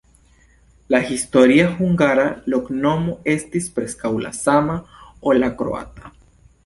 La historia hungara loknomo estis preskaŭ la sama, ol la kroata.